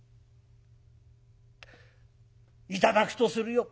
「頂くとするよ」。